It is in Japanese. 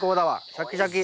シャキシャキ。